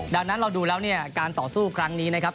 ดังนั้นเราดูแล้วเนี่ยการต่อสู้ครั้งนี้นะครับ